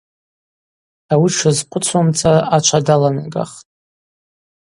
Ауи дшазхъвыцуазымцара ачва даланагахтӏ.